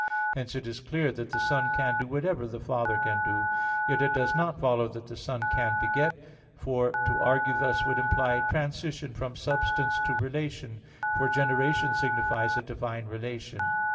Hence it is clear that the Son can do whatever the Father can do; yet it does not follow that the Son can beget; for to argue thus would imply transition from substance to relation, for generation signifies a divine relation.